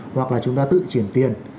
hoặc là chúng ta tự chuyển tiền